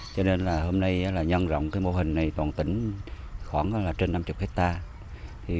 cho nên hôm nay nhân rộng mô hình này toàn tỉnh khoảng trên năm mươi hectare